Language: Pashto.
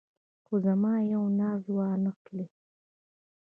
خو زما یو ناز وانه خلې.